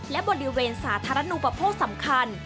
และบริเวณสาธารณูปโภคสำคัญ